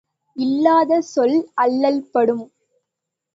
இல்லாத சொல் அல்லல்படும்.